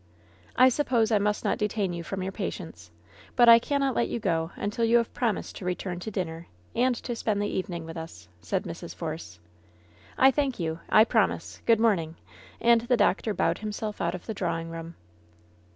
"I suppose I must not detain you from your patients; but I cannot let you go until you have promised to re turn to dinner, and to spend the evening with us," said Mrs. Force. "I thank you ! I promise I Good morning V^ And the doctor bowed himself out of the drawing room.